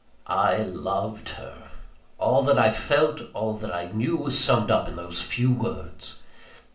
I loved her! All that I felt, all that I knew, was summed up in those few words!